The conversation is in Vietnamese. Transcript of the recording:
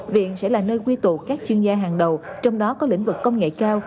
viện sẽ là nơi quy tụ các chuyên gia hàng đầu trong đó có lĩnh vực công nghệ cao